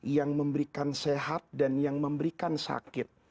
yang memberikan sehat dan yang memberikan sakit